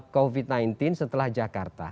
covid sembilan belas setelah jakarta